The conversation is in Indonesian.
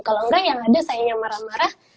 kalau enggak yang ada saya yang marah marah